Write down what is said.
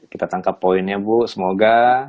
kita tangkap poinnya bu semoga